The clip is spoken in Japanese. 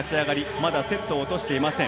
まだセットを落としていません。